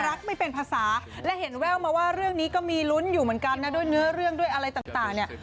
ไม่เป็นภาษาและเห็นแววมาว่าเรื่องนี้ก็มีลุ้นอยู่เหมือนกันนะด้วยเนื้อเรื่องด้วยอะไรต่างเนี่ย